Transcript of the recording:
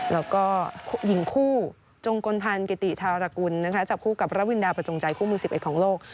แล้วก็หญิงคู่จงกลพันธ์กิติธารกุลจับคู่กับระวินดาประจงใจคู่มือ๑๑ของโลก